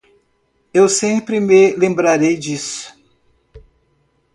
Eu sempre me lembrarei disso.